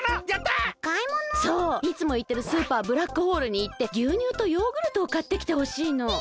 そういつもいってるスーパーブラックホールにいってぎゅうにゅうとヨーグルトをかってきてほしいの。